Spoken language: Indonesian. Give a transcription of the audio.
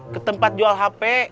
ke tempat jual hp